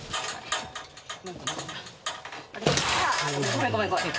ごめんごめんごめん。